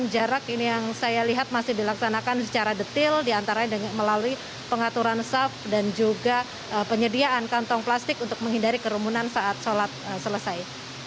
jarak ini yang saya lihat masih dilaksanakan secara detail diantaranya melalui pengaturan saf dan juga penyediaan kantong plastik untuk menghindari kerumunan saat sholat selesai